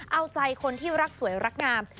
เอาใจคนที่รักสวยรักงาม